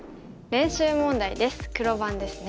黒番ですね。